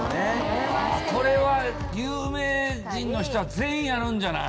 これは有名人の人は全員あるんじゃない？